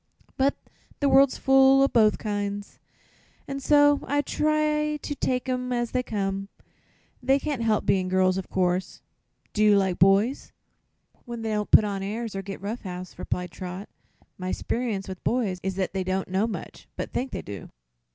But the world's full o' both kinds, and so I try to take 'em as they come. They can't help being girls, of course. Do you like boys?" "When they don't put on airs, or get rough house," replied Trot. "My 'sperience with boys is that they don't know much, but think they do."